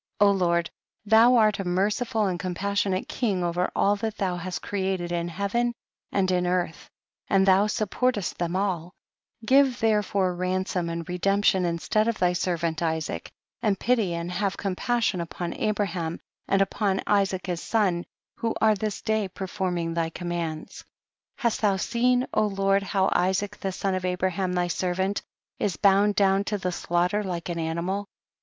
O Lord, thou art a merciful and compassionate king over all that thou hast created in heaven and in earth, and thou supportest them all ; give therefore ransom and redemp tion instead of thy servant Isaac, and pity and have compassion upon Abra 68 THE BOOK OF JASHER. ham and upon Isaac his son, who are this day performing thy com mands, 68. Hast thou seen, Lord, how Isaac the son of Abraham thy ser vant is bound down to the slaughter like an animal